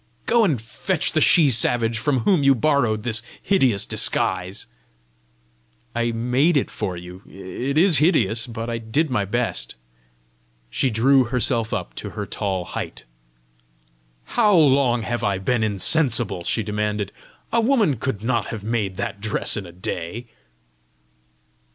Go and fetch the she savage from whom you borrowed this hideous disguise." "I made it for you. It is hideous, but I did my best." She drew herself up to her tall height. "How long have I been insensible?" she demanded. "A woman could not have made that dress in a day!"